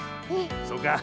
そうか。